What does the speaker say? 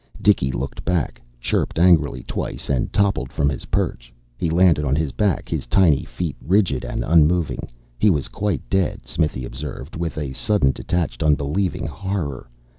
Dicky looked back, chirped angrily twice and toppled from his perch. He landed on his back, his tiny feet rigid and unmoving. He was quite dead, Smithy observed, with a sudden, detached, unbelieving horror.